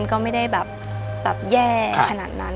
ก็ไม่ได้แบบแย่ขนาดนั้น